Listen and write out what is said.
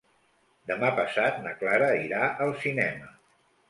Demà passat na Clara irà al cinema.